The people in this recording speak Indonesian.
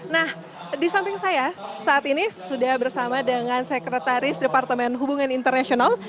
nah di samping saya saat ini sudah bersama dengan sekretaris departemen hubungan internasional